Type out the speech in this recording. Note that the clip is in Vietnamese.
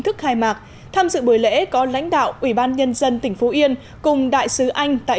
thức khai mạc tham dự buổi lễ có lãnh đạo ủy ban nhân dân tỉnh phú yên cùng đại sứ anh tại